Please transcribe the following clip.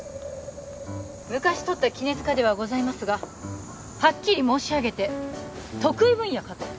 昔取った杵柄ではございますがはっきり申し上げて得意分野かと！